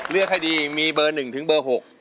ให้ดีมีเบอร์๑ถึงเบอร์๖